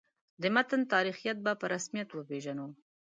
د متن تاریخیت به په رسمیت وپېژنو.